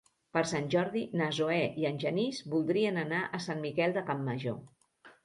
Per Sant Jordi na Zoè i en Genís voldrien anar a Sant Miquel de Campmajor.